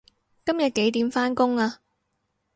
今日幾點返工啊